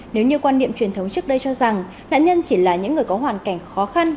nếu như quan niệm truyền thống trước đây cho rằng nạn nhân chỉ là những người có hoàn cảnh khó khăn